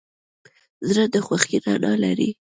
زړه د خوښۍ رڼا لري.